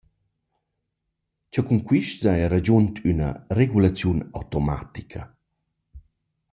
Cha cun quist s’haja ragiunt üna regulaziun automatica.